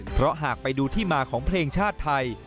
เพราะหากไปดูที่มาของเพลงชาติไทย